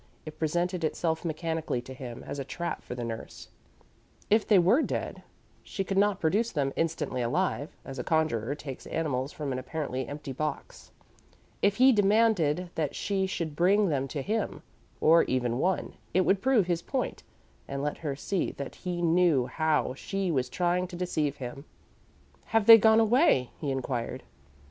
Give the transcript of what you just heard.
It presented itself mechanically to him as a trap for the nurse. If they were dead, she could not produce them instantly alive, as a conjurer takes animals from an apparently empty box. If he demanded that she should bring them to him, or even one, it would prove his point and let her see that he knew how she was trying to deceive him. "Have they gone away?" he inquired.